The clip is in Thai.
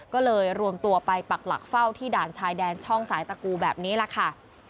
ก็เลยรวมตัวไปปักหลักเฝ้าที่ด่านชายแดนช่องสายตะกูแบบนี้แหละค่ะ